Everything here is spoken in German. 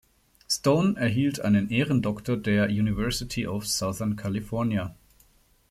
Stone erhielt einen Ehrendoktor der University of Southern California.